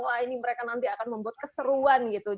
wah ini mereka nanti akan membuat keseruan gitu